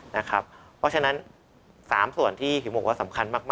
เพราะฉะนั้น๓ส่วนที่หิวบอกว่าสำคัญมาก